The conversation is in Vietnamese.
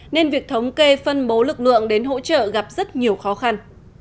nên việc thống kê phân bố lực lượng đến hỗ trợ gặp rất nhiều khó khăn